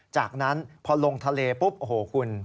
จากนั้นพอลงทะเลปุ๊บโอ้โหคุณ